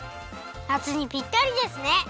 夏にぴったりですね！